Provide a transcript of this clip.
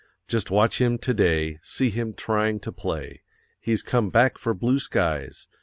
Just watch him to day See him trying to play. He's come back for blue skies.